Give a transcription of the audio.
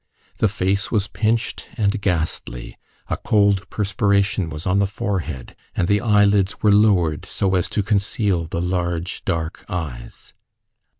The face was pinched and ghastly, a cold perspiration was on the forehead, and the eyelids were lowered so as to conceal the large dark eyes.